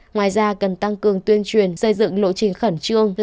ngoài ra cần tăng cường tuyên truyền xây dựng lộ trình khẩn trương